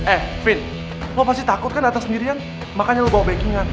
eh vin lo pasti takut kan atas dirian makanya lo bawa baggingan